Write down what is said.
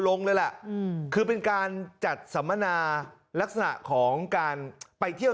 ลงเลยล่ะคือเป็นการจัดสัมมนาลักษณะของการไปเที่ยว